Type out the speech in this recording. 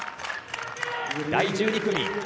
第１２組。